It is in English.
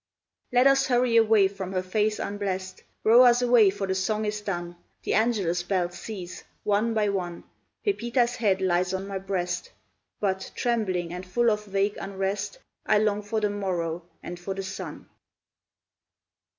Let us hurry away from her face unblest, Row us away, for the song is done, The Angelus bells cease, one by one, Pepita's head lies on my breast; But, trembling and full of a vague unrest, I long for the morrow and for the sun.